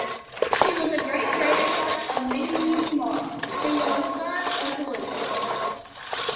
He was a great-grandson of Mengu Timur, who was a son of Hulegu.